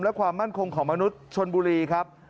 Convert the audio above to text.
และความมั่นคงของมนุษย์ชนบุรีครับ